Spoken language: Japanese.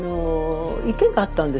池があったんですよ。